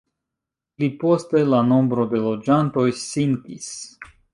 Pli poste la nombro de loĝantoj sinkis.